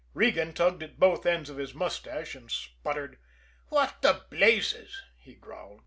Regan tugged at both ends of his mustache and sputtered. "What the blazes!" he growled.